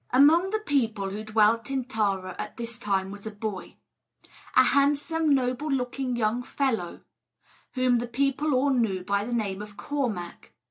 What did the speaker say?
Among the people who dwelt in Tara at this time was a boy, a handsome, noble looking young fellow, whom the people all knew by the name of Cormac.